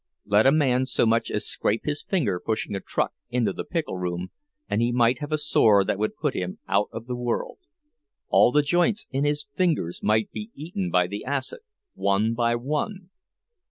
Let a man so much as scrape his finger pushing a truck in the pickle rooms, and he might have a sore that would put him out of the world; all the joints in his fingers might be eaten by the acid, one by one.